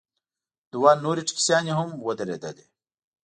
دوه نورې ټیکسیانې هم ودرېدلې.